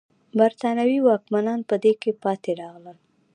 برېټانوي واکمنان په دې کې پاتې راغلل.